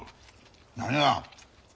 何が？